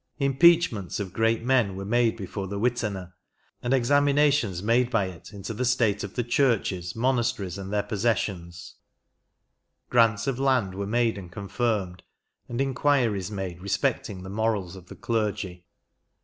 Impeachments of great men were made before the Witena, and exami nations made by it into the state of the churches, monasteries, and their possessions : grants of lands were made and confirmed ; and inquiries made re specting the morals of the clergy.